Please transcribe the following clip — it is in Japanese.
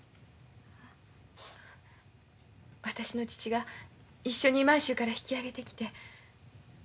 私の父が一緒に満州から引き揚げてきて。